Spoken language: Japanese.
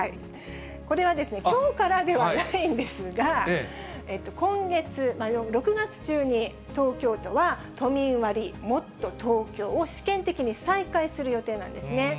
これはきょうからではないんですが、今月、６月中に東京都は都民割、もっとＴｏｋｙｏを試験的に再開する予定なんですね。